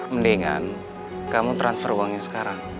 mendingan kamu transfer uangnya sekarang